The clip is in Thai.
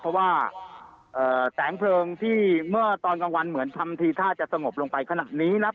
เพราะว่าแสงเพลิงที่เมื่อตอนกลางวันเหมือนทำทีท่าจะสงบลงไปขนาดนี้นะครับ